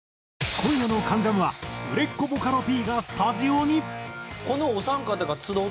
今夜の『関ジャム』は売れっ子ボカロＰがスタジオに。